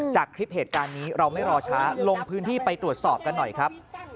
จากคลิปเหตุการณ์นี้เราไม่รอช้าลงพื้นที่ไปตรวจสอบกันหน่อยครับ